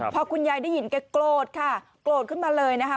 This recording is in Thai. พอคุณยายได้ยินแกโกรธค่ะโกรธขึ้นมาเลยนะคะ